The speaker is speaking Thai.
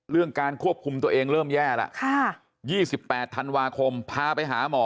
เรื่องการควบคุมตัวเองเริ่มแย่แล้วค่ะยี่สิบแปดธันวาคมพาไปหาหมอ